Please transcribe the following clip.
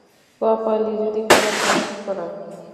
কপালই যদি খারাপ হয়, কী করার!